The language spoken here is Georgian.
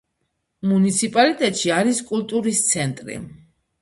მუნიციპალიტეტში არის კულტურის ცენტრი.